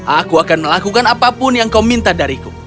aku akan melakukan apa pun yang kamu minta dariku